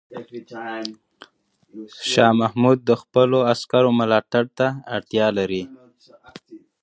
شاه محمود د خپلو عسکرو ملاتړ ته اړتیا لري.